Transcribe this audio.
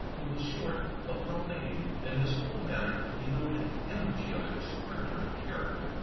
He was short but well made, and his whole mamier denoted energy of extraordinary character.